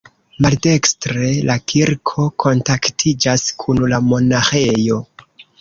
Maldekstre la kirko kontaktiĝas kun la monaĥejo.